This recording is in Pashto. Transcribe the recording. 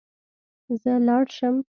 زه لاړ شم